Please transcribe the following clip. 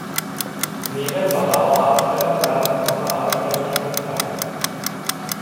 Neben der Dauerausstellung werden Sonderausstellungen gezeigt.